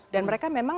dan mereka memang